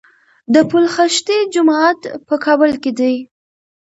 د پل خشتي جومات په کابل کې دی